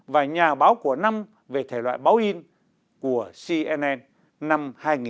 và nhà báo của năm về thể loại báo in của cnn năm hai nghìn một mươi